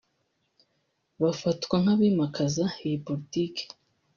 bafatwa nk’abimakaza iyi Politike